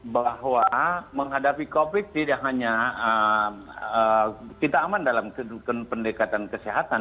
bahwa menghadapi covid tidak hanya kita aman dalam kedudukan pendekatan kesehatan